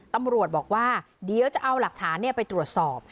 ตำรวจบอกว่าเดี๋ยวจะเอาหลักฐานไปตรวจสอบ